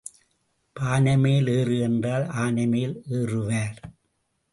பானைமேல் ஏறு என்றால் ஆனைமேல் ஏறுவார்.